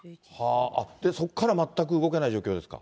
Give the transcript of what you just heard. そこから全く動けない状況ですか。